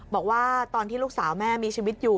บอกว่าตอนที่ลูกสาวแม่มีชีวิตอยู่